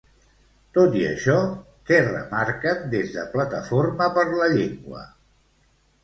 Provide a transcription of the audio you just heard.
Tot i això, què remarquen des de Plataforma per la Llengua?